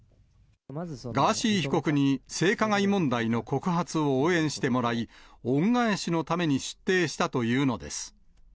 ガーシー被告に性加害問題の告発を応援してもらい、恩返しのために出廷したというのです。